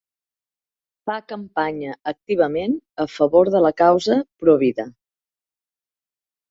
Fa campanya activament a favor de la causa provida.